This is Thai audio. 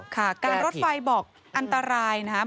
ค่ะการรถไฟบอกอันตรายนะครับ